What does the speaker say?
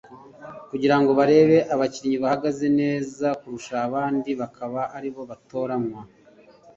kugira ngo barebe abakinnyi bahagaze neza kurusha abandi bakaba ari bo batoranywa